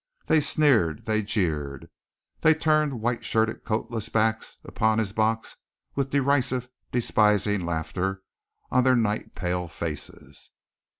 They sneered, they jeered, they turned white shirted coatless backs upon his box with derisive, despising laughter on their night pale faces.